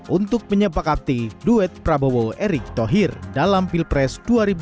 untuk menyepakati duet prabowo erick thohir dalam pilpres dua ribu dua puluh